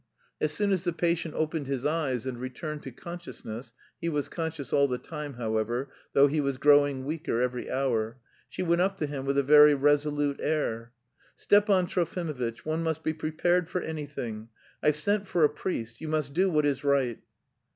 As soon as the patient opened his eyes and returned to consciousness (he was conscious all the time, however, though he was growing weaker every hour), she went up to him with a very resolute air. "Stepan Trofimovitch, one must be prepared for anything. I've sent for a priest. You must do what is right...."